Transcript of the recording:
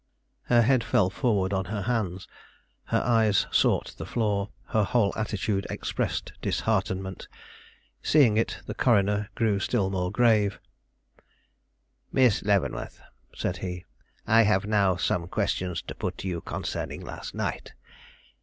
Her head fell forward on her hands; her eyes sought the floor; her whole attitude expressed disheartenment. Seeing it, the coroner grew still more grave. "Miss Leavenworth," said he, "I have now some questions to put you concerning last night.